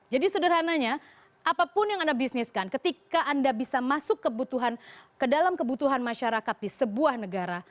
jadi sederhananya apapun yang anda bisniskan ketika anda bisa masuk kebutuhan ke dalam kebutuhan masyarakat di sebuah negara